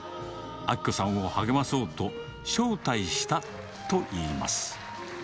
明子さんを励まそうと、招待したといいます。